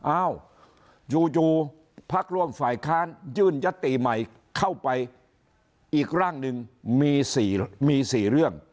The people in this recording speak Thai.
อ้าวอยู่พักร่วมฝ่ายค้านยื่นยติใหม่เข้าไปอีกร่างหนึ่งมี๔เรื่อง